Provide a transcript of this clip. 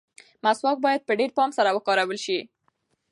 مسواک باید په ډېر پام سره وکارول شي.